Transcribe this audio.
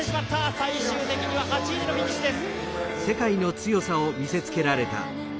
最終的には８位でのフィニッシュです。